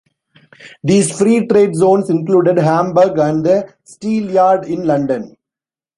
These Free Trade Zones included Hamburg, and the Steelyard in London.